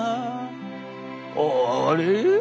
あれ？